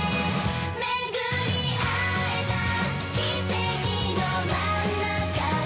「めぐり逢えた奇跡の真ん中で」